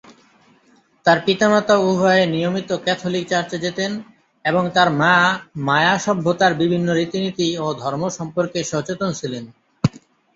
তার পিতামাতা উভয়ে নিয়মিত ক্যাথলিক চার্চে যেতেন, এবং তার মা মায়া সভ্যতার বিভিন্ন রীতি-নীতি ও ধর্ম সম্পর্কে সচেতন ছিলেন।